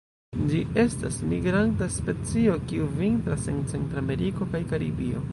Ĝi estas migranta specio, kiu vintras en Centrameriko kaj Karibio.